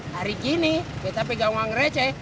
hari kini kita pegang uang receh